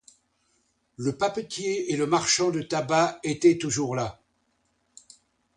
Le papetier et le marchand de tabac étaient toujours là.